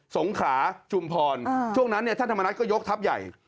สงขาชุมพรช่วงนั้นเนี่ยท่านธรรมนัฐก็ยกทัพใหญ่